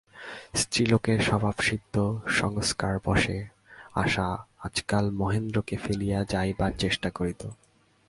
স্ত্রীলোকের স্বভাবসিদ্ধ সংস্কারবশে আশা আজকাল মহেন্দ্রকে ফেলিয়া যাইবার চেষ্টা করিত।